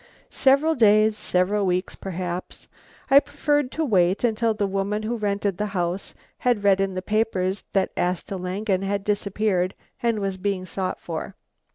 "Several days, several weeks perhaps. I preferred to wait until the woman who rented the house had read in the papers that Asta Langen had disappeared and was being sought for.